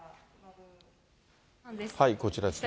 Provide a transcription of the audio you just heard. こちらですね。